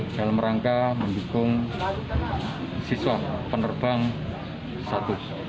dalam rangka mendukung siswa penerbang satu